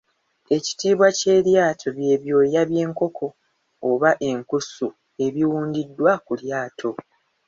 Ekitiibwa ky’eryato bye byoya by’enkoko oba enkusu ebiwundiddwa ku lyato.